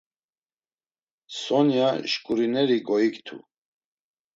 Sonya şǩurineri goiktu.